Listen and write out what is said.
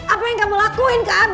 apa yang kamu lakukan ke abi